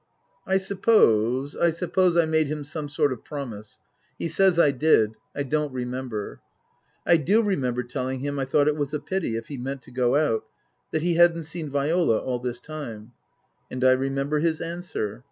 I suppose I suppose I made him some sort of promise. He says I did. I don't remember. I do remember telling him I thought it was a pity if he meant to go out that he hadn't seen Viola all this time. And I remember his answer.